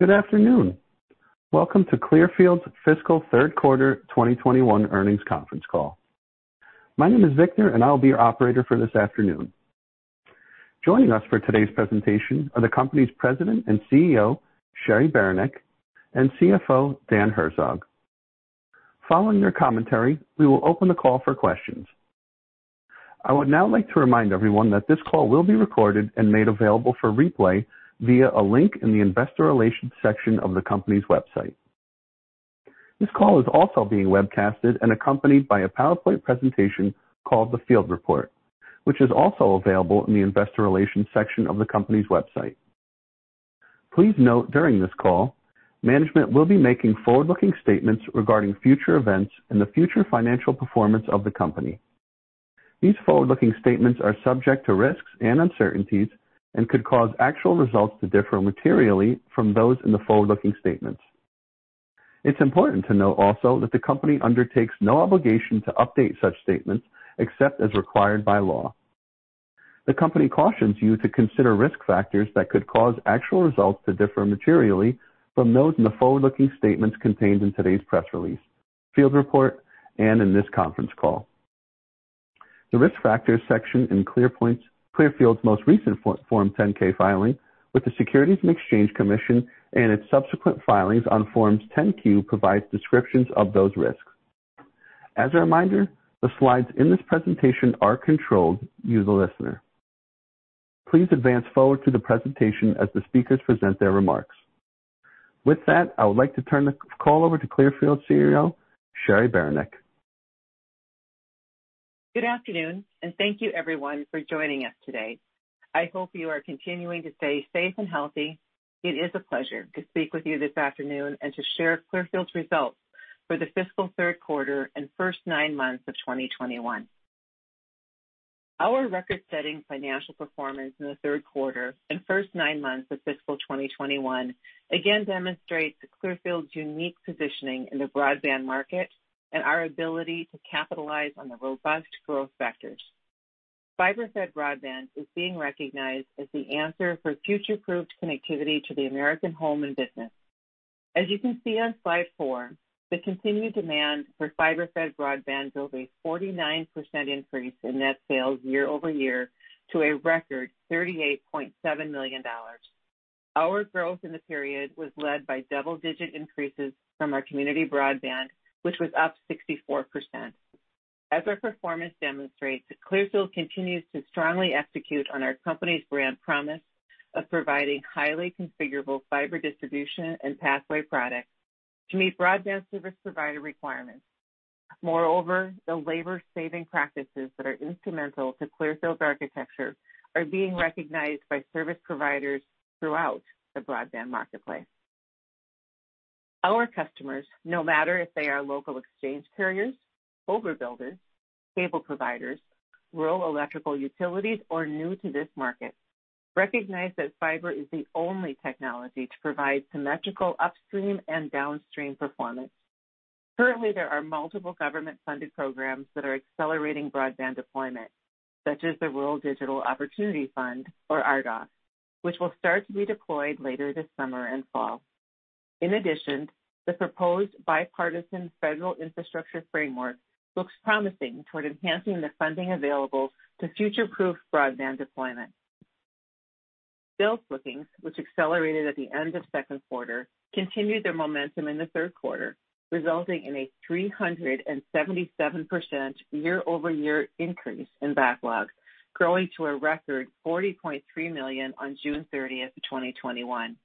Good afternoon. Welcome to Clearfield's Fiscal Third Quarter 2021 earnings conference call. My name is Victor, and I'll be your operator for this afternoon. Joining us for today's presentation are the company's President and CEO, Cheri Beranek, and CFO, Dan Herzog. Following their commentary, we will open the call for questions. I would now like to remind everyone that this call will be recorded and made available for replay via a link in the investor relations section of the company's website. This call is also being webcasted and accompanied by a PowerPoint presentation called the field report, which is also available in the investor relations section of the company's website. Please note during this call, management will be making forward-looking statements regarding future events and the future financial performance of the company. These forward-looking statements are subject to risks and uncertainties and could cause actual results to differ materially from those in the forward-looking statements. It's important to note also that the company undertakes no obligation to update such statements except as required by law. The company cautions you to consider risk factors that could cause actual results to differ materially from those in the forward-looking statements contained in today's press release, field report, and in this conference call. The risk factors section in Clearfield's most recent Form 10-K filing with the Securities and Exchange Commission and its subsequent filings on Forms 10-Q provide descriptions of those risks. As a reminder, the slides in this presentation are controlled. Use the listener. Please advance forward to the presentation as the speakers present their remarks. With that, I would like to turn the call over to Clearfield CEO, Cheri Beranek. Good afternoon, thank you everyone for joining us today. I hope you are continuing to stay safe and healthy. It is a pleasure to speak with you this afternoon and to share Clearfield's results for the fiscal third quarter and first nine months of 2021. Our record-setting financial performance in the third quarter and first nine months of fiscal 2021 again demonstrates Clearfield's unique positioning in the broadband market and our ability to capitalize on the robust growth factors. Fiber-fed broadband is being recognized as the answer for future-proofed connectivity to the American home and business. As you can see on slide four, the continued demand for fiber-fed broadband drove a 49% increase in net sales year-over-year to a record $38.7 million. Our growth in the period was led by double-digit increases from our community broadband, which was up 64%. As our performance demonstrates, Clearfield continues to strongly execute on our company's brand promise of providing highly configurable fiber distribution and pathway products to meet broadband service provider requirements. Moreover, the labor-saving practices that are instrumental to Clearfield's architecture are being recognized by service providers throughout the broadband marketplace. Our customers, no matter if they are local exchange carriers, overbuilders, cable providers, rural electrical utilities, or new to this market, recognize that fiber is the only technology to provide symmetrical upstream and downstream performance. Currently, there are multiple government-funded programs that are accelerating broadband deployment, such as the Rural Digital Opportunity Fund, or RDOF, which will start to be deployed later this summer and fall. In addition, the proposed bipartisan federal infrastructure framework looks promising toward enhancing the funding available to future-proof broadband deployment. Bill bookings, which accelerated at the end of second quarter, continued their momentum in the third quarter, resulting in a 377% year-over-year increase in backlogs, growing to a record 40.3 million on June 30th, 2021.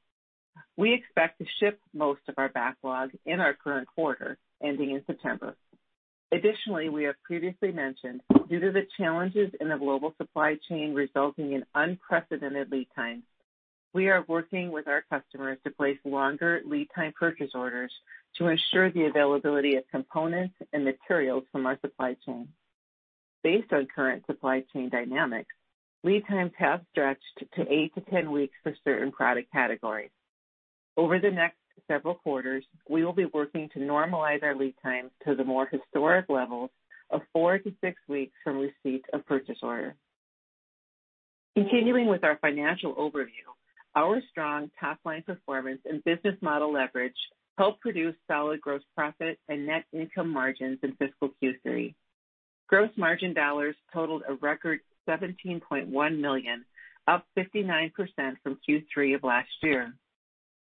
We expect to ship most of our backlog in our current quarter, ending in September. Additionally, we have previously mentioned, due to the challenges in the global supply chain resulting in unprecedented lead times, we are working with our customers to place longer lead time purchase orders to ensure the availability of components and materials from our supply chain. Based on current supply chain dynamics, lead times have stretched to 8-10 weeks for certain product categories. Over the next several quarters, we will be working to normalize our lead times to the more historic levels of four to six weeks from receipt of purchase order. Continuing with our financial overview, our strong top-line performance and business model leverage helped produce solid gross profit and net income margins in fiscal Q3. Gross margin dollars totaled a record $17.1 million, up 59% from Q3 of last year.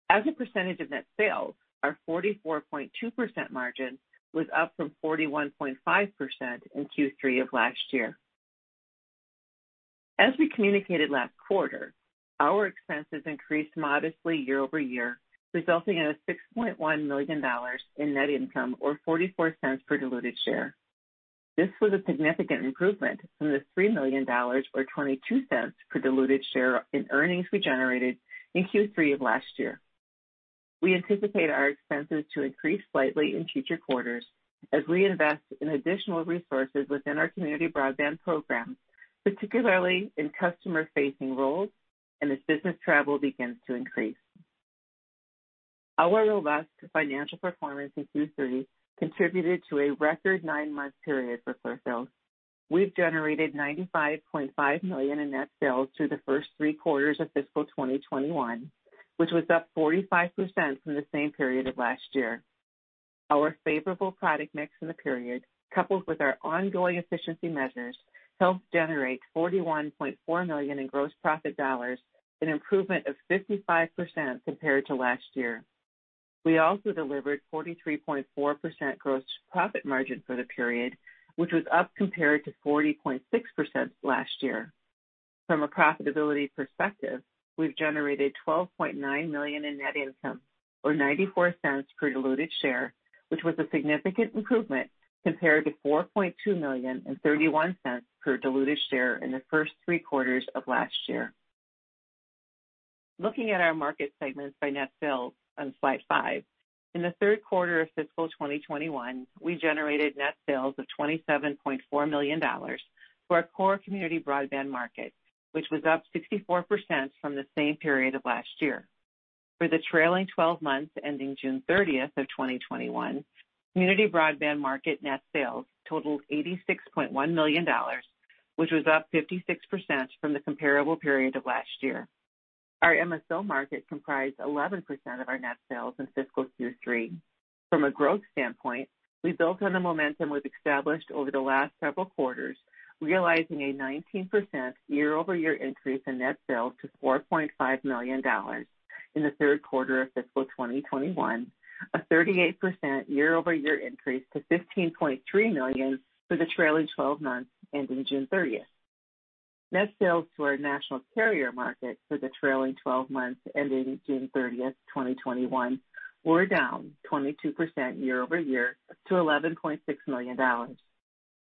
As a percentage of net sales, our 44.2% margin was up from 41.5% in Q3 of last year. As we communicated last quarter, our expenses increased modestly year-over-year, resulting in $6.1 million in net income or $0.44 per diluted share. This was a significant improvement from the $3 million or $0.22 per diluted share in earnings we generated in Q3 of last year. We anticipate our expenses to increase slightly in future quarters as we invest in additional resources within our community broadband program, particularly in customer-facing roles and as business travel begins to increase. Our robust financial performance in Q3 contributed to a record nine-month period for Clearfield. We've generated $95.5 million in net sales through the first three quarters of fiscal 2021, which was up 45% from the same period of last year. Our favorable product mix in the period, coupled with our ongoing efficiency measures, helped generate $41.4 million in gross profit dollars, an improvement of 55% compared to last year. We also delivered 43.4% gross profit margin for the period, which was up compared to 40.6% last year. From a profitability perspective, we've generated $12.9 million in net income, or $0.94 per diluted share, which was a significant improvement compared to $4.2 million and $0.31 per diluted share in the first three quarters of last year. Looking at our market segments by net sales on slide five. In the third quarter of fiscal 2021, we generated net sales of $27.4 million for our core community broadband market, which was up 64% from the same period of last year. For the trailing 12 months ending June 30th of 2021, community broadband market net sales totaled $86.1 million, which was up 56% from the comparable period of last year. Our MSO market comprised 11% of our net sales in fiscal Q3. From a growth standpoint, we built on the momentum we've established over the last several quarters, realizing a 19% year-over-year increase in net sales to $4.5 million in the third quarter of fiscal 2021, a 38% year-over-year increase to $15.3 million for the trailing 12 months ending June 30th. Net sales to our national carrier market for the trailing 12 months ending June 30th, 2021, were down 22% year-over-year to $11.6 million.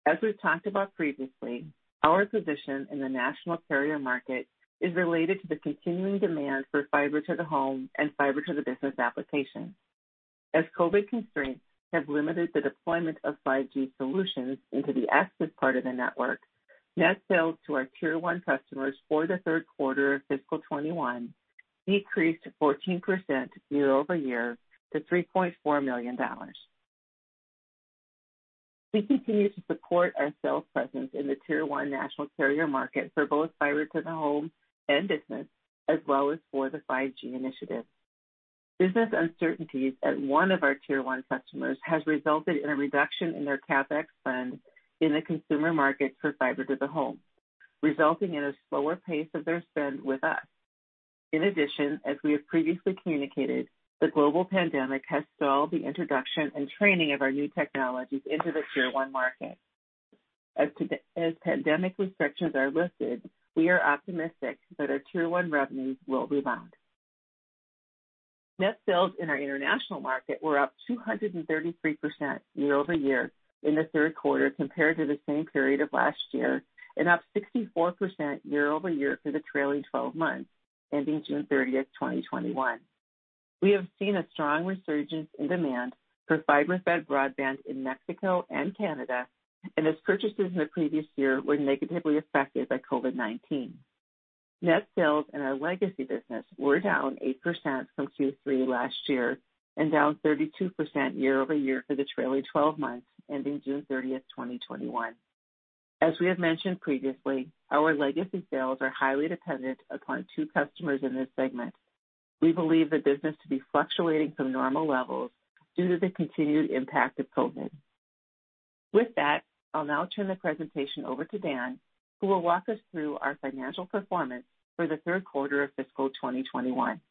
As we've talked about previously, our position in the national carrier market is related to the continuing demand for fiber to the home and fiber to the business applications. As COVID constraints have limited the deployment of 5G solutions into the active part of the network, net sales to our Tier 1 customers for the third quarter of fiscal 2021 decreased 14% year-over-year to $3.4 million. We continue to support our sales presence in the Tier 1 national carrier market for both fiber to the home and business, as well as for the 5G initiative. Business uncertainties at one of our Tier 1 customers has resulted in a reduction in their CapEx spend in the consumer market for fiber to the home, resulting in a slower pace of their spend with us. In addition, as we have previously communicated, the global pandemic has stalled the introduction and training of our new technologies into the Tier 1 market. As pandemic restrictions are lifted, we are optimistic that our Tier 1 revenues will rebound. Net sales in our international market were up 233% year-over-year in the third quarter compared to the same period of last year and up 64% year-over-year for the trailing 12 months ending June 30th, 2021. We have seen a strong resurgence in demand for fiber-fed broadband in Mexico and Canada, and as purchases in the previous year were negatively affected by COVID-19. Net sales in our legacy business were down 8% from Q3 last year and down 32% year-over-year for the trailing 12 months ending June 30th, 2021. As we have mentioned previously, our legacy sales are highly dependent upon two customers in this segment. We believe the business to be fluctuating from normal levels due to the continued impact of COVID. With that, I'll now turn the presentation over to Dan, who will walk us through our financial performance for the third quarter of fiscal 2021.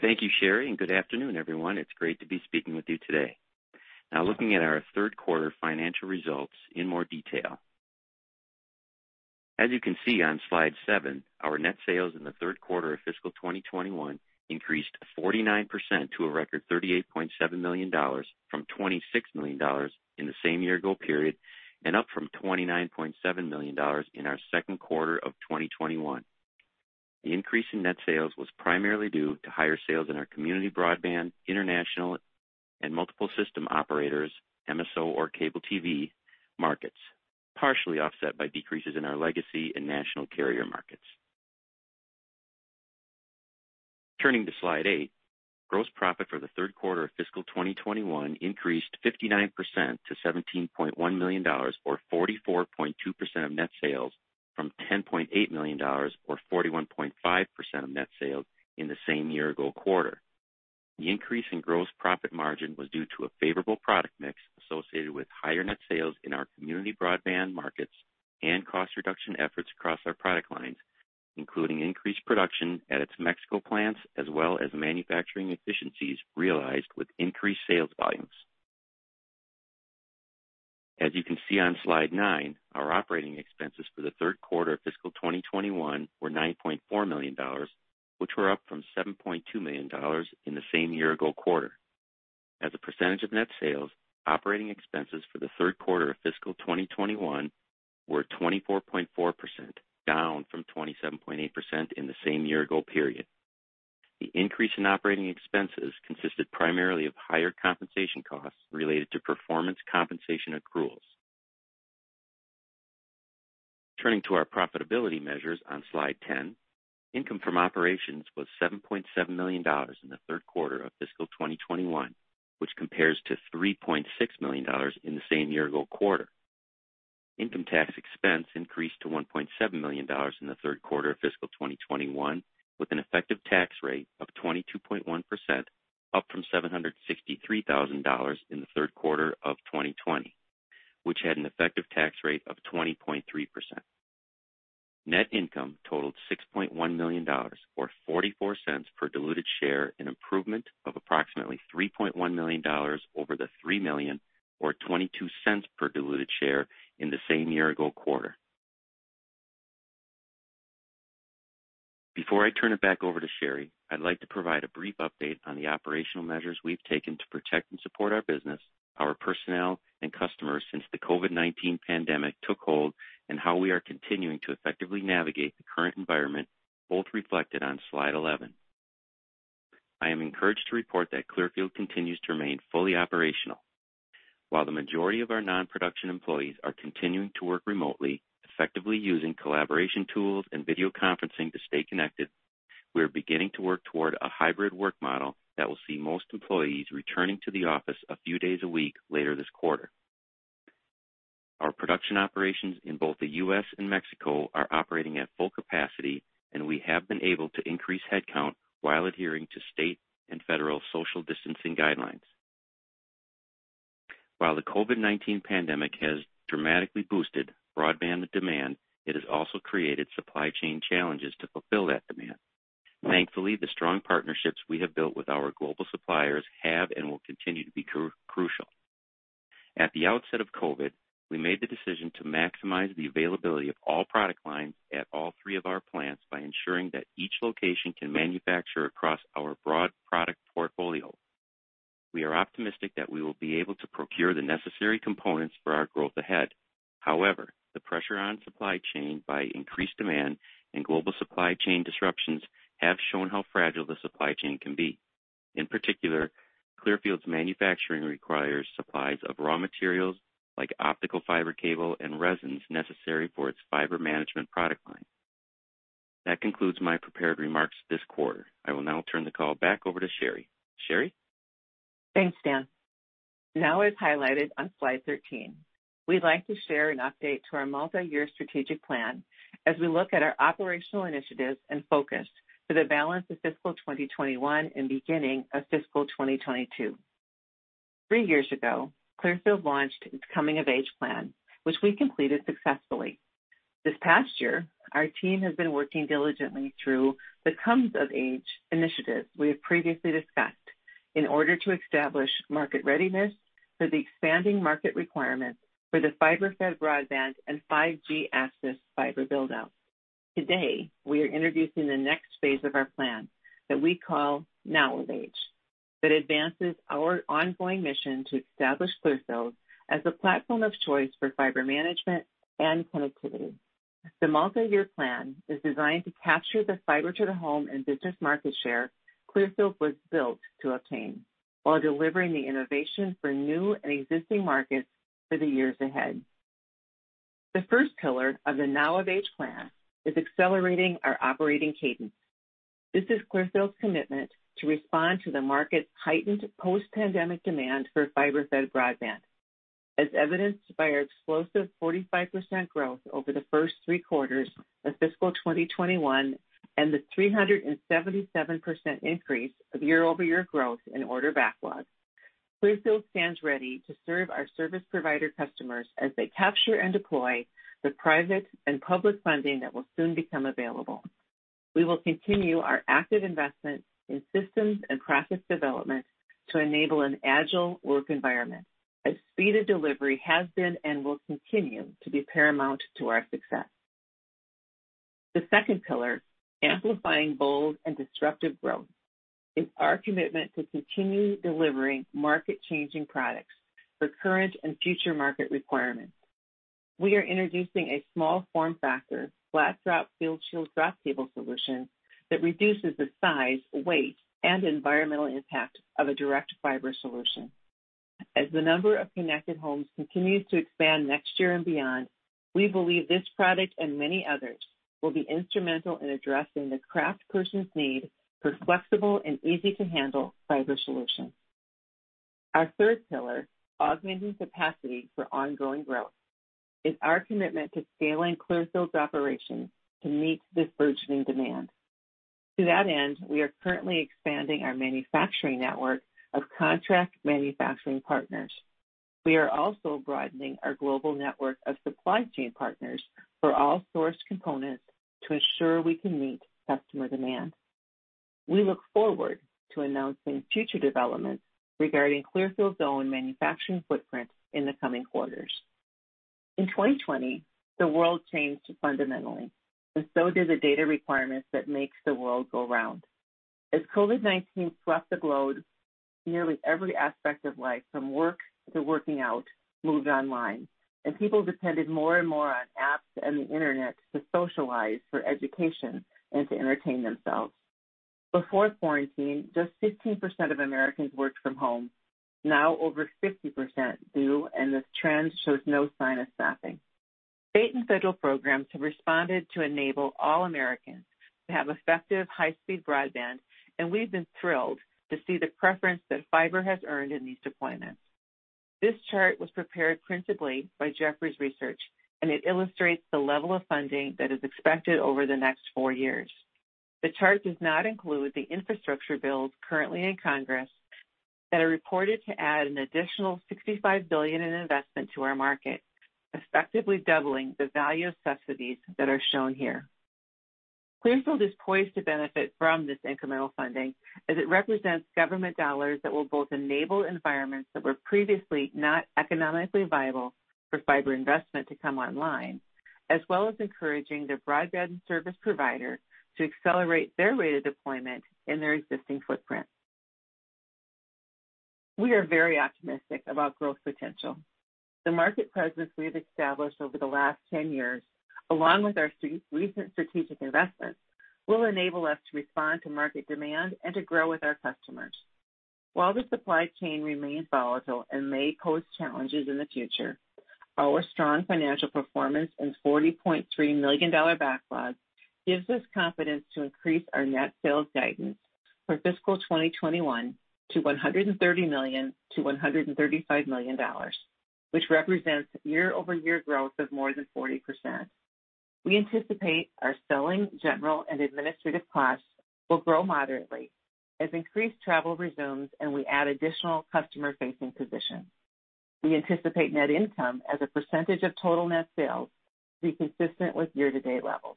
Thank you, Cheri, and good afternoon, everyone. It's great to be speaking with you today. Now looking at our third quarter financial results in more detail. As you can see on slide seven, our net sales in the third quarter of fiscal 2021 increased 49% to a record $38.7 million from $26 million in the same year-ago period, and up from $29.7 million in our second quarter of 2021. The increase in net sales was primarily due to higher sales in our community broadband, international, and multiple system operators, MSO or cable TV markets, partially offset by decreases in our legacy and national carrier markets. Turning to slide eight, gross profit for the third quarter of fiscal 2021 increased 59% to $17.1 million, or 44.2% of net sales from $10.8 million, or 41.5% of net sales in the same year-ago quarter. The increase in gross profit margin was due to a favorable product mix associated with higher net sales in our community broadband markets and cost reduction efforts across our product lines, including increased production at its Mexico plants, as well as manufacturing efficiencies realized with increased sales volumes. As you can see on slide nine, our operating expenses for the third quarter of fiscal 2021 were $9.4 million, which were up from $7.2 million in the same year-ago quarter. As a percentage of net sales, operating expenses for the third quarter of fiscal 2021 were 24.4%, down from 27.8% in the same year-ago period. The increase in operating expenses consisted primarily of higher compensation costs related to performance compensation accruals. Turning to our profitability measures on slide 10, income from operations was $7.7 million in the third quarter of fiscal 2021, which compares to $3.6 million in the same year-ago quarter. Income tax expense increased to $1.7 million in the third quarter of fiscal 2021, with an effective tax rate of 22.1%, up from $763,000 in the third quarter of 2020, which had an effective tax rate of 20.3%. Net income totaled $6.1 million, or $0.44 per diluted share, an improvement of approximately $3.1 million over the $3 million, or $0.22 per diluted share in the same year-ago quarter. Before I turn it back over to Cheri, I'd like to provide a brief update on the operational measures we've taken to protect and support our business, our personnel, and customers since the COVID-19 pandemic took hold, and how we are continuing to effectively navigate the current environment, both reflected on slide 11. I am encouraged to report that Clearfield continues to remain fully operational. While the majority of our non-production employees are continuing to work remotely, effectively using collaboration tools and video conferencing to stay connected, we are beginning to work toward a hybrid work model that will see most employees returning to the office a few days a week later this quarter. Our production operations in both the U.S. and Mexico are operating at full capacity, and we have been able to increase headcount while adhering to state and federal social distancing guidelines. While the COVID-19 pandemic has dramatically boosted broadband demand, it has also created supply chain challenges to fulfill that demand. Thankfully, the strong partnerships we have built with our global suppliers have and will continue to be crucial. At the outset of COVID, we made the decision to maximize the availability of all product lines at all three of our plants by ensuring that each location can manufacture across our broad product portfolio. We are optimistic that we will be able to procure the necessary components for our growth ahead. However, the pressure on supply chain by increased demand and global supply chain disruptions have shown how fragile the supply chain can be. In particular, Clearfield's manufacturing requires supplies of raw materials like optical fiber cable and resins necessary for its fiber management product line. That concludes my prepared remarks this quarter. I will now turn the call back over to Cheri. Cheri? Thanks, Dan. Now, as highlighted on slide 13, we'd like to share an update to our multi-year strategic plan as we look at our operational initiatives and focus for the balance of fiscal 2021 and beginning of fiscal 2022. Three years ago, Clearfield launched its Coming of Age plan, which we completed successfully. This past year, our team has been working diligently through the Comes of Age initiative we have previously discussed in order to establish market readiness for the expanding market requirements for the fiber-fed broadband and 5G access fiber build-out. Today, we are introducing the next phase of our plan that we call Now of Age, that advances our ongoing mission to establish Clearfield as the platform of choice for fiber management and connectivity. The multi-year plan is designed to capture the fiber-to-the-home and business market share Clearfield was built to obtain while delivering the innovation for new and existing markets for the years ahead. The first pillar of the Now of Age plan is accelerating our operating cadence. This is Clearfield's commitment to respond to the market's heightened post-pandemic demand for fiber-fed broadband. As evidenced by our explosive 45% growth over the first three quarters of fiscal 2021 and the 377% increase of year-over-year growth in order backlog, Clearfield stands ready to serve our service provider customers as they capture and deploy the private and public funding that will soon become available. We will continue our active investment in systems and process development to enable an agile work environment, as speed of delivery has been and will continue to be paramount to our success. The second pillar, amplifying bold and disruptive growth, is our commitment to continue delivering market-changing products for current and future market requirements. We are introducing a small form factor flat drop FieldShield drop cable solution that reduces the size, weight, and environmental impact of a direct fiber solution. As the number of connected homes continues to expand next year and beyond, we believe this product and many others will be instrumental in addressing the craftsperson's need for flexible and easy-to-handle fiber solutions. Our third pillar, augmenting capacity for ongoing growth, is our commitment to scaling Clearfield's operations to meet this burgeoning demand. To that end, we are currently expanding our manufacturing network of contract manufacturing partners. We are also broadening our global network of supply chain partners for all sourced components to ensure we can meet customer demand. We look forward to announcing future developments regarding Clearfield's own manufacturing footprint in the coming quarters. In 2020, the world changed fundamentally, and so did the data requirements that makes the world go round. As COVID-19 swept the globe, nearly every aspect of life, from work to working out, moved online, and people depended more and more on apps and the internet to socialize, for education, and to entertain themselves. Before quarantine, just 15% of Americans worked from home. Now over 50% do, and this trend shows no sign of stopping. State and federal programs have responded to enable all Americans to have effective high-speed broadband, and we've been thrilled to see the preference that fiber has earned in these deployments. This chart was prepared principally by Jefferies Research, and it illustrates the level of funding that is expected over the next four years. The chart does not include the infrastructure bills currently in Congress that are reported to add an additional $65 billion in investment to our market, effectively doubling the value of subsidies that are shown here. Clearfield is poised to benefit from this incremental funding as it represents government dollars that will both enable environments that were previously not economically viable for fiber investment to come online, as well as encouraging their broadband service provider to accelerate their rate of deployment in their existing footprint. We are very optimistic about growth potential. The market presence we have established over the last 10 years, along with our recent strategic investments, will enable us to respond to market demand and to grow with our customers. While the supply chain remains volatile and may pose challenges in the future, our strong financial performance and $40.3 million backlogs gives us confidence to increase our net sales guidance for fiscal 2021 to $130 million-$135 million, which represents year-over-year growth of more than 40%. We anticipate our selling, general, and administrative costs will grow moderately as increased travel resumes and we add additional customer-facing positions. We anticipate net income as a percentage of total net sales to be consistent with year-to-date levels.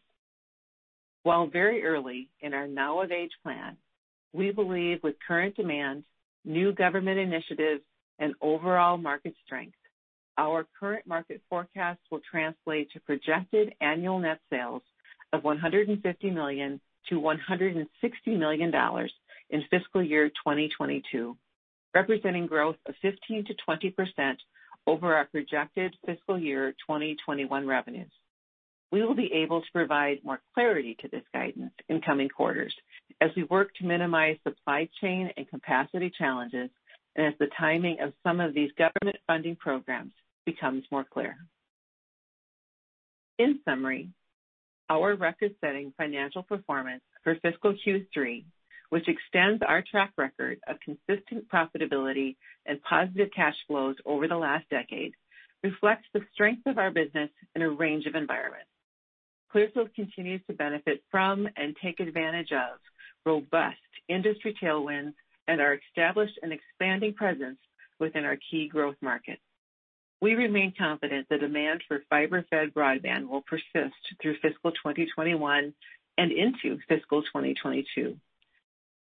While very early in our Now of Age plan, we believe with current demand, new government initiatives, and overall market strength, our current market forecast will translate to projected annual net sales of $150 million-$160 million in fiscal year 2022, representing growth of 15%-20% over our projected fiscal year 2021 revenues. We will be able to provide more clarity to this guidance in coming quarters as we work to minimize supply chain and capacity challenges and as the timing of some of these government funding programs becomes more clear. In summary, our record-setting financial performance for fiscal Q3, which extends our track record of consistent profitability and positive cash flows over the last decade, reflects the strength of our business in a range of environments. Clearfield continues to benefit from and take advantage of robust industry tailwinds and our established and expanding presence within our key growth markets. We remain confident the demand for fiber-fed broadband will persist through fiscal 2021 and into fiscal 2022.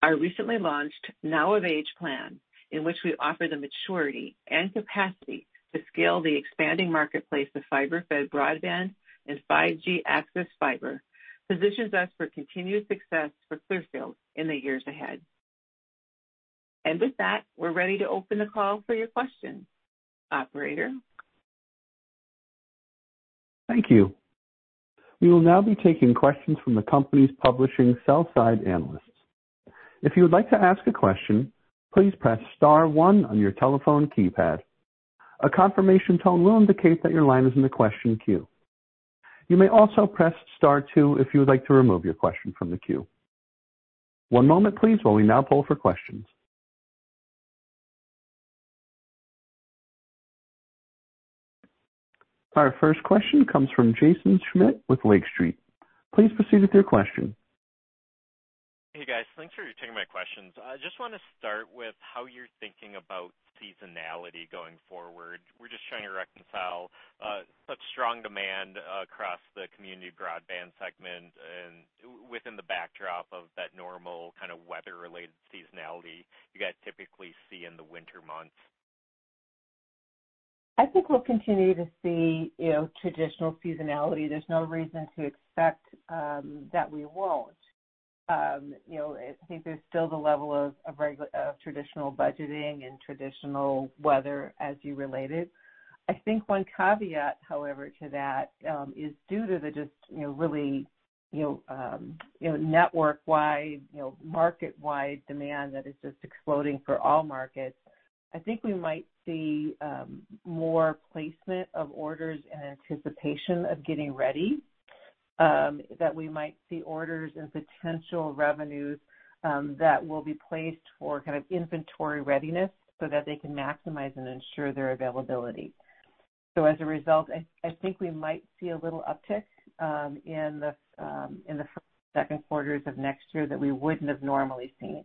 Our recently launched Now of Age plan, in which we offer the maturity and capacity to scale the expanding marketplace of fiber-fed broadband and 5G access fiber, positions us for continued success for Clearfield in the years ahead. With that, we're ready to open the call for your questions. Operator? Thank you. We will now be taking questions from the company's publishing sell-side analysts. If you would like to ask a question, please press star one on your telephone keypad. A confirmation tone will indicate that your line is in the question queue. You may also press star two if you would like to remove your question from the queue. One moment, please, while we now poll for questions. Our first question comes from Jaeson Schmidt with Lake Street. Please proceed with your question. Hey, guys. Thanks for taking my questions. I just want to start with how you're thinking about seasonality going forward. We're just trying to reconcile such strong demand across the community broadband segment and within the backdrop of that normal kind of weather-related seasonality you guys typically see in the winter months. I think we'll continue to see traditional seasonality. There's no reason to expect that we won't. I think there's still the level of traditional budgeting and traditional weather as you relate it. I think one caveat, however, to that is due to the just really network-wide, market-wide demand that is just exploding for all markets. I think we might see more placement of orders in anticipation of getting ready, that we might see orders and potential revenues that will be placed for kind of inventory readiness so that they can maximize and ensure their availability. As a result, I think we might see a little uptick in the first and second quarters of next year that we wouldn't have normally seen.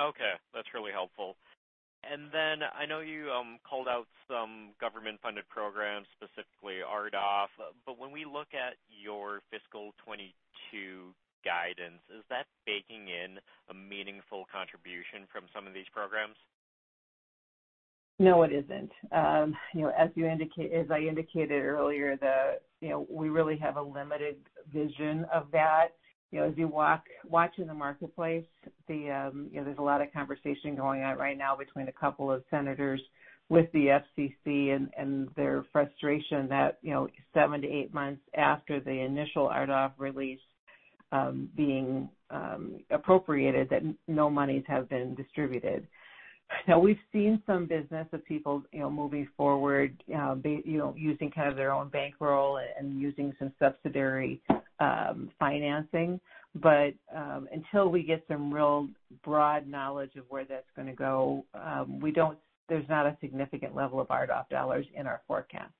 Okay. That's really helpful. I know you called out some government-funded programs, specifically RDOF, but when we look at your fiscal 2022 guidance, is that baking in a meaningful contribution from some of these programs? No, it isn't. As I indicated earlier, we really have a limited vision of that. As you watch in the marketplace, there's a lot of conversation going on right now between a couple of senators with the FCC and their frustration that seven to eight months after the initial RDOF release being appropriated that no monies have been distributed. We've seen some business of people moving forward, using their own bankroll and using some subsidiary financing. Until we get some real broad knowledge of where that's going to go, there's not a significant level of RDOF dollars in our forecast.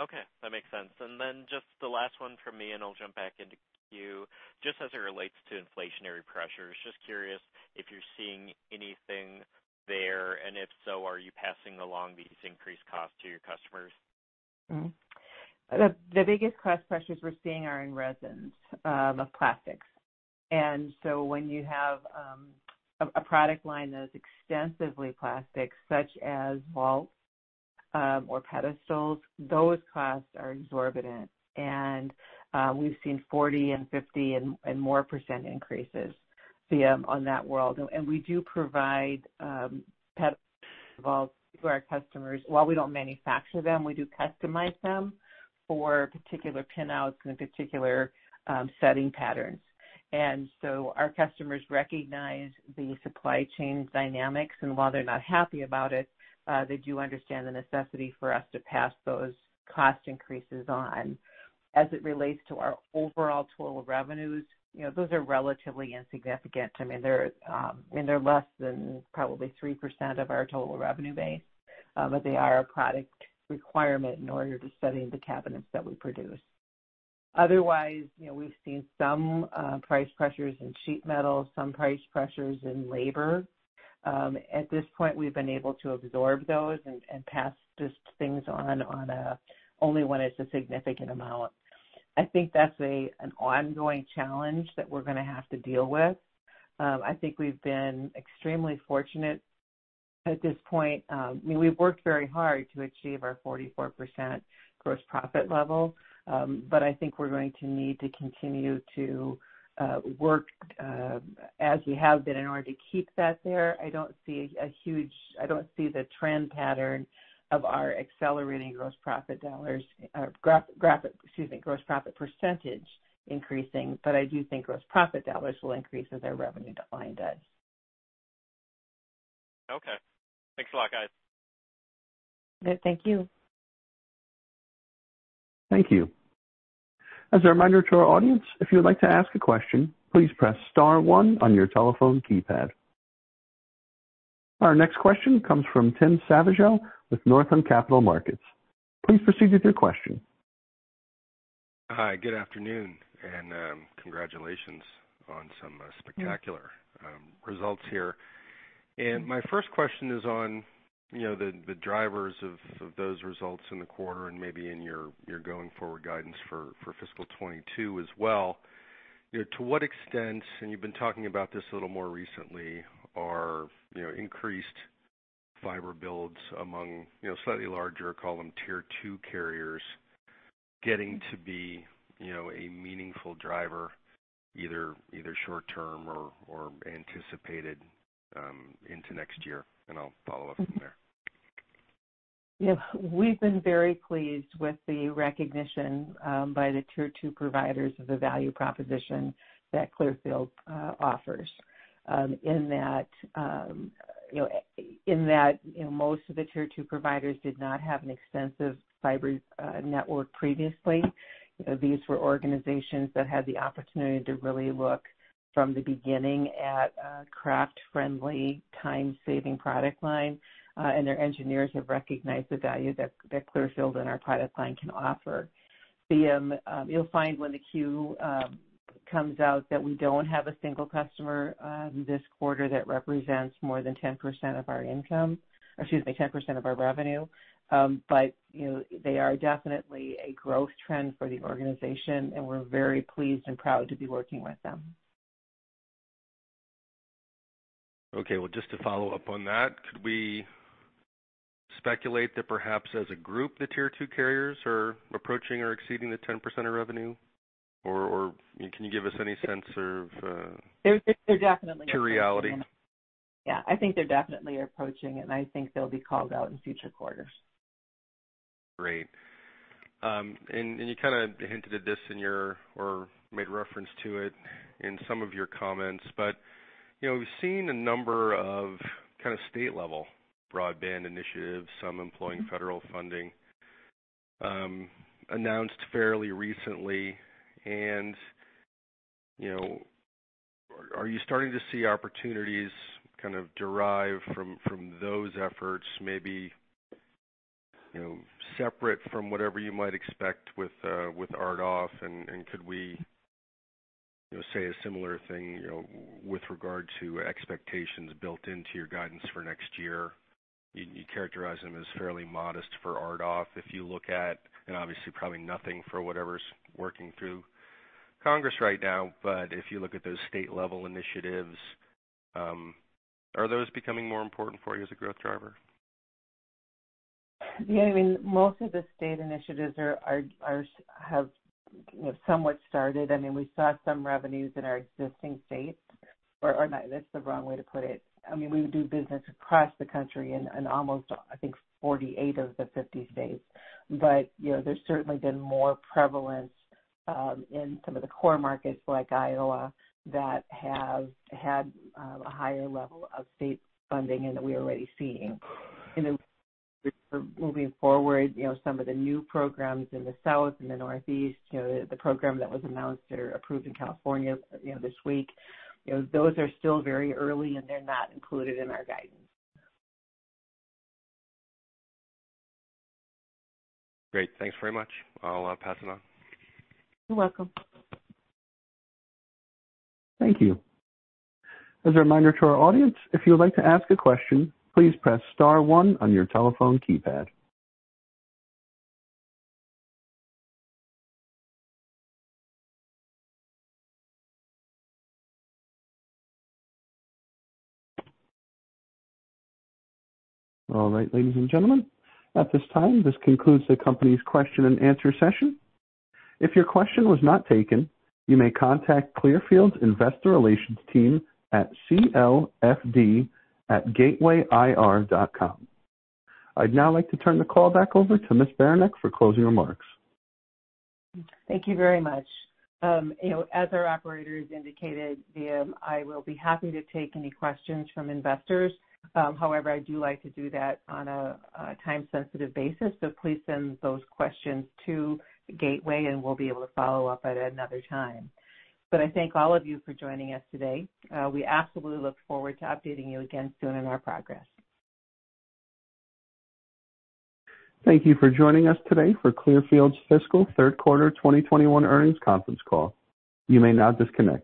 Okay. That makes sense. Just the last one from me, and I'll jump back into queue. Just as it relates to inflationary pressures, just curious if you're seeing anything there, and if so, are you passing along these increased costs to your customers? The biggest cost pressures we're seeing are in resins of plastics. When you have a product line that is extensively plastic, such as vaults or pedestals, those costs are exorbitant. We've seen 40% and 50% and more percent increases on that world. We do provide pedestals to our customers. While we don't manufacture them, we do customize them for particular pin outs and particular setting patterns. Our customers recognize the supply chain dynamics, and while they're not happy about it, they do understand the necessity for us to pass those cost increases on. As it relates to our overall total revenues, those are relatively insignificant. They're less than probably 3% of our total revenue base. They are a product requirement in order to set in the cabinets that we produce. Otherwise, we've seen some price pressures in sheet metal, some price pressures in labor. At this point, we've been able to absorb those and pass those things on only when it's a significant amount. I think that's an ongoing challenge that we're going to have to deal with. I think we've been extremely fortunate at this point. We've worked very hard to achieve our 44% gross profit level. I think we're going to need to continue to work, as we have been, in order to keep that there. I don't see the trend pattern of our accelerating gross profit percentage increasing, but I do think gross profit dollars will increase as our revenue decline does. Okay. Thanks a lot, guys. Thank you. Thank you. As a reminder to our audience, if you would like to ask a question, please press star one on your telephone keypad. Our next question comes from Tim Savageaux with Northland Capital Markets. Please proceed with your question. Hi, good afternoon. Congratulations on some spectacular results here. My first question is on the drivers of those results in the quarter, and maybe in your going-forward guidance for fiscal 2022 as well. To what extent, you've been talking about this a little more recently, are increased fiber builds among slightly larger, call them Tier 2 carriers, getting to be a meaningful driver, either short term or anticipated into next year? I'll follow up from there. Yeah. We've been very pleased with the recognition by the Tier 2 providers of the value proposition that Clearfield offers, in that most of the Tier 2 providers did not have an extensive fiber network previously. These were organizations that had the opportunity to really look from the beginning at a craft-friendly, time-saving product line. Their engineers have recognized the value that Clearfield and our product line can offer. You'll find when the Q comes out that we don't have a single customer this quarter that represents more than 10% of our income, or excuse me, 10% of our revenue. They are definitely a growth trend for the organization, and we're very pleased and proud to be working with them. Okay. Well, just to follow up on that, could we speculate that perhaps as a group, the Tier 2 carriers are approaching or exceeding the 10% of revenue? Or can you give us any sense of- They're definitely approaching. -to reality? I think they're definitely approaching, and I think they'll be called out in future quarters. Great. You kind of hinted at this in your, or made reference to it in some of your comments, but we've seen a number of state-level broadband initiatives, some employing federal funding, announced fairly recently. Are you starting to see opportunities kind of derive from those efforts, maybe separate from whatever you might expect with RDOF? Could we say a similar thing with regard to expectations built into your guidance for next year? You characterize them as fairly modest for RDOF. Obviously, probably nothing for whatever's working through Congress right now. If you look at those state-level initiatives, are those becoming more important for you as a growth driver? Yeah. Most of the state initiatives have somewhat started. We saw some revenues in our existing states. That's the wrong way to put it. I mean, we do business across the country in almost, I think, 48 of the 50 states. There's certainly been more prevalence in some of the core markets like Iowa that have had a higher level of state funding, and that we're already seeing. For moving forward, some of the new programs in the South and the Northeast, the program that was announced or approved in California this week, those are still very early, and they're not included in our guidance. Great. Thanks very much. I'll pass it on. You're welcome. Thank you. As a reminder to our audience, if you would like to ask a question, please press star one on your telephone keypad. All right, ladies and gentlemen, at this time, this concludes the company's question-and-answer session. If your question was not taken, you may contact Clearfield's investor relations team at clfd@gatewayir.com. I'd now like to turn the call back over to Ms. Beranek for closing remarks. Thank you very much. As our operators indicated, I will be happy to take any questions from investors. I do like to do that on a time-sensitive basis, so please send those questions to Gateway, and we'll be able to follow up at another time. I thank all of you for joining us today. We absolutely look forward to updating you again soon on our progress. Thank you for joining us today for Clearfield's Fiscal Third Quarter 2021 earnings conference call. You may now disconnect.